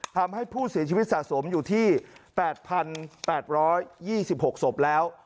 ทำให้ผู้เสียชีวิตสะสมอยู่ที่๘๘๒๖ศพแล้ว